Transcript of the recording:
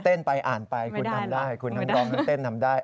ไปอ่านไปคุณทำได้คุณทั้งร้องทั้งเต้นทำได้